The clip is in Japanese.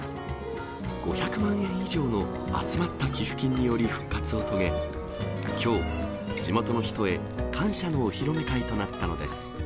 ５００万円以上の集まった寄付金により復活を遂げ、きょう、地元の人へ感謝のお披露目会となったのです。